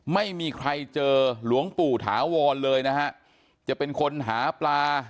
ไม่มีใครเจอหลวงปู่ถาวรเลยนะฮะจะเป็นคนหาปลา